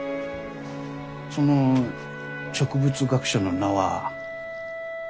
その植物学者の名は？